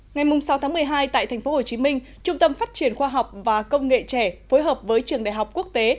ngày sáu tháng một mươi hai tại tp hcm trung tâm phát triển khoa học và công nghệ trẻ phối hợp với trường đại học quốc tế